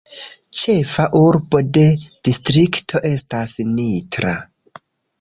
Ĉefa urbo de distrikto estas Nitra.